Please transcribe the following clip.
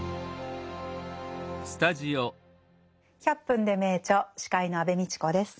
「１００分ｄｅ名著」司会の安部みちこです。